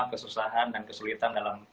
kesusahan dan kesulitan dalam